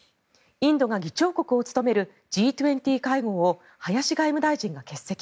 インドが議長国を務めるＧ２０会合を林外務大臣が欠席。